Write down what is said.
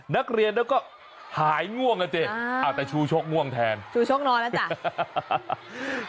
นักเรียนแล้วก็หายง่วงอ่ะสิเอาแต่ชูชกง่วงแทนชูชกนอนแล้วจ้ะ